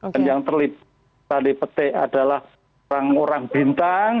dan yang terlipat adalah orang orang bintang